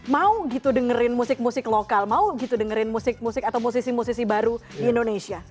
mau gitu dengerin musik musik lokal mau gitu dengerin musik musik atau musisi musisi baru di indonesia